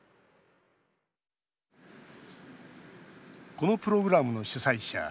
このプログラムの主催者